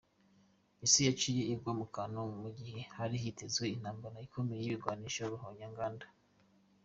Isi yaciye igwa mu kantu mu gihe hari hitezwe intambara ikomeye y'ibirwanisho ruhonyanganda.